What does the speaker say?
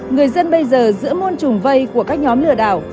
người dân bây giờ giữa môn trùng vây của các nhóm lừa đảo